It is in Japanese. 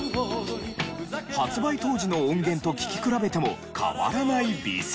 発売当時の音源と聴き比べても変わらない美声。